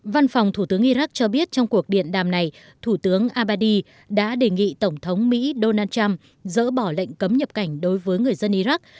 văn phòng thủ tướng iraq cho biết trong cuộc điện đàm này thủ tướng abbadi đã đề nghị tổng thống mỹ donald trump dỡ bỏ lệnh cấm nhập cảnh đối với người dân iraq